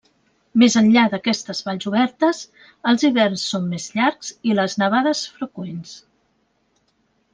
Més enllà d'aquestes valls obertes, els hiverns són més llargs i les nevades, freqüents.